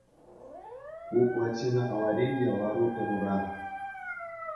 Ку плотина авариллӗ лару-тӑрура.